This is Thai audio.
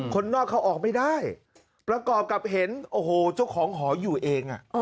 คนนอกเขาออกไม่ได้ประกอบกับเห็นโอ้โหเจ้าของหออยู่เอง